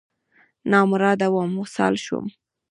نامراده وم، وصال شوم